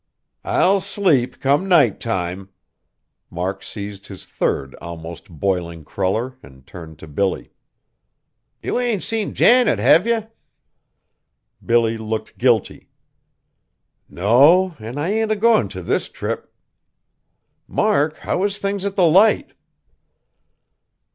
"I'll sleep, come night time." Mark seized his third almost boiling cruller and turned to Billy. "You ain't seen Janet, hev you?" Billy looked guilty. "No, an' I ain't a goin' t' this trip. Mark, how is things at the Light?"